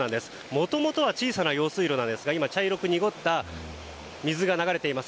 もともとは小さな用水路なんですが今、茶色く濁った水が流れています。